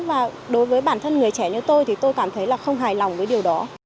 và đối với bản thân người trẻ như tôi thì tôi cảm thấy là không hài lòng với điều đó